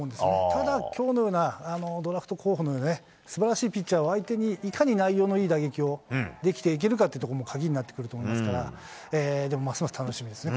ただきょうのようなドラフト候補のすばらしいピッチャーを相手に、いかに内容のいい打撃をできていけるかというところも鍵になってくると思いますから、でもますます楽しみですね。